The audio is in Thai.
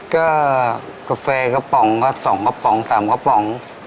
ก็กาแฟกระป๋องก็๒กระป๋อง๓กระป๋อง